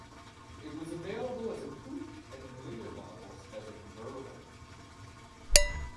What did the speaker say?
It was available as a coupe and in later models as a convertible.